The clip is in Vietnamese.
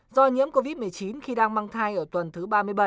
do nhiễm covid một mươi chín khi đang mang thai ở tuần thứ ba mươi bảy